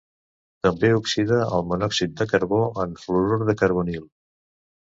També oxida el monòxid de carbó en fluorur de carbonil.